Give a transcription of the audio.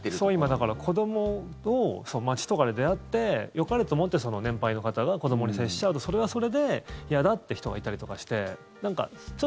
だから子どもを街とかで出会ってよかれと思ってその年配の方が子どもに接しちゃうとそれはそれで嫌だって人がいたりとかして。